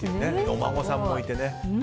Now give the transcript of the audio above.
お孫さんもいてね。